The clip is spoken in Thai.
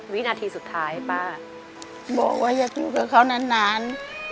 วินาทีสุดท้ายป้าบอกว่าอย่าอยู่กับเขานาน